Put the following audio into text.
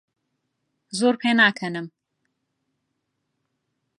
زۆر پێناکەنم.